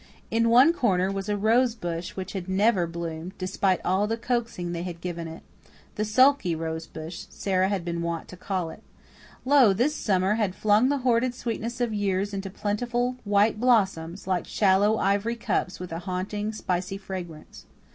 In one corner was a rose bush which had never bloomed, despite all the coaxing they had given it "the sulky rose bush," Sara had been wont to call it. Lo! this summer had flung the hoarded sweetness of years into plentiful white blossoms, like shallow ivory cups with a haunting, spicy fragrance.